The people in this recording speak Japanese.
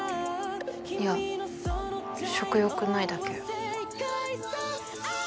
いや食欲ないだけ。